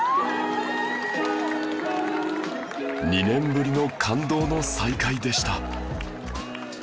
２年ぶりの感動の再会でした